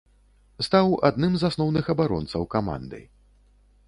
Стаў адным з асноўных абаронцаў каманды.